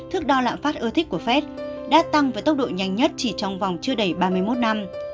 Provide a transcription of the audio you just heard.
thước đo lãm phát ưa thích của fed đã tăng với tốc độ nhanh nhất chỉ trong vòng chưa đầy ba mươi một năm